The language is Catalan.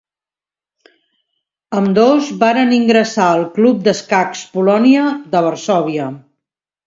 Ambdós varen ingressar al club d'escacs Polònia de Varsòvia.